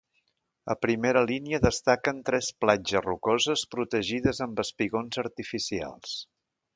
A primera línia destaquen tres platges rocoses protegides amb espigons artificials.